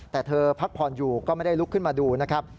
แต่เธอพักผ่อนอยู่ก็ไม่ได้ลุกขึ้นมาดูนะครับ